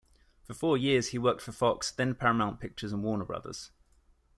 For four years, he worked for Fox then Paramount Pictures, and Warner Brothers.